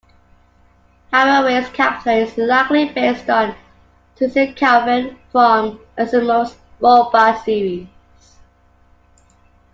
Haraway's character is likely based on Susan Calvin from Asimov's "Robot" series.